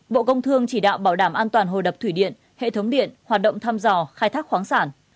bộ công thương chỉ đạo bảo đảm an toàn hồ đập thủy điện hệ thống điện hoạt động thăm dò khai thác khoáng sản